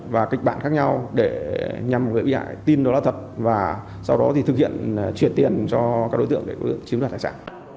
và kịch bản khác nhau để nhằm người bị hại tin đó là thật và sau đó thì thực hiện chuyển tiền cho các đối tượng để chiếm đoạt tài sản